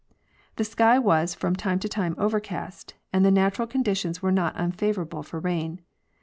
Thesky was from time to time overcast, and the natural con ditions were not unfavorable for rain.